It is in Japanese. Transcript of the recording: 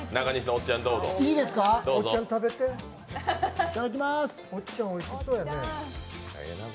おっちゃん、おいしそうやね。